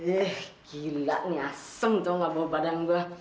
eh gila nih asem tau gak bawa badan gue